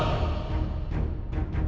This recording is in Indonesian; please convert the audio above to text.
aku akan menang